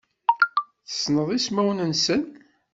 Tessneḍ ismawen-nsen?